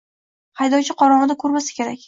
Haydovchi qorong`uda ko`rmasa kerak